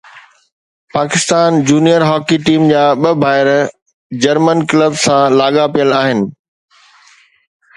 Pakistan junior hockey team جا ٻه ڀائر جرمن ڪلب سان لاڳاپيل آهن